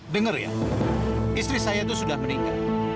dengar ya istri saya itu sudah meninggal